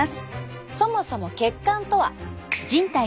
そもそも血管とは。